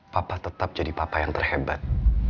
papa tetap jadi papa yang terhebat